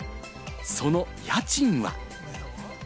その家賃は？